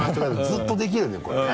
ずっとできるねこれね。